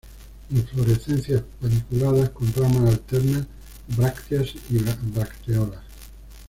Inflorescencias paniculadas, con ramas alternas, brácteas y bracteolas.